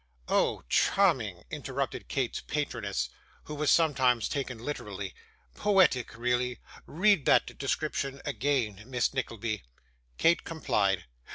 'Oh, charming!' interrupted Kate's patroness, who was sometimes taken literary. 'Poetic, really. Read that description again, Miss Nickleby.' Kate complied.